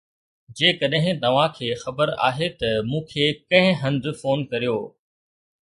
جيڪڏهن توهان کي خبر آهي ته مون کي ڪنهن هنڌ فون ڪريو